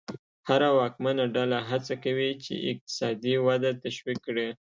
هره واکمنه ډله هڅه کوي چې اقتصادي وده تشویق کړي.